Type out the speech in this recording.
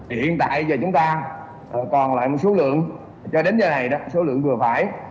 hiện tại giờ chúng ta còn lại một số lượng cho đến giờ này số lượng vừa phải